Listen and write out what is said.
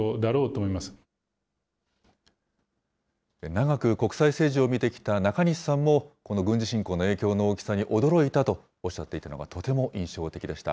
長く国際政治を見てきた中西さんも、この軍事侵攻の影響の大きさに驚いたとおっしゃっていたのがとても印象的でした。